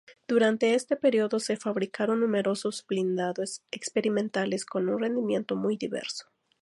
Durante este período se fabricaron numerosos blindados experimentales con un rendimiento muy diverso.